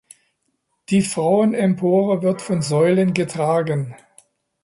Die Frauenempore wird von Säulen getragen.